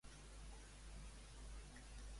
Era fecund el terreny?